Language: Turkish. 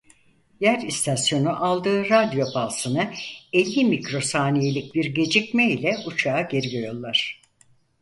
Yer istasyonu aldığı radyo palsını elli mikro saniyelik bir gecikme ile uçağa geri yollar.